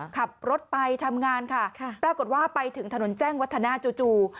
ขับรถไปทำงานค่ะปรากฏว่าไปถึงถนนแจ้งวัฒนาจู่